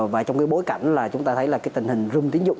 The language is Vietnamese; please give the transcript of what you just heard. và trong bối cảnh chúng ta thấy tình hình rung tín dụng